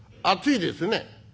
「暑いですね」。